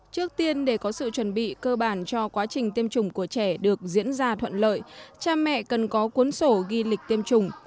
trước tiên để có sự chuẩn bị cơ bản cho quá trình tiêm chủng của trẻ được diễn ra thuận lợi cha mẹ cần có cuốn sổ ghi lịch tiêm chủng